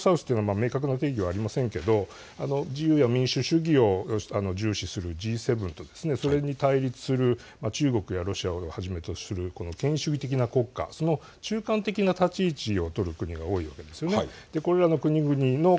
つまりグローバル・サウスというのは明確が定義はありませんけれど自由や民主主義を重視するＧ７とそれに対立する中国やロシアをはじめとする権威主義的な国家、その中間的な立ち位置を取る国が多いわけです。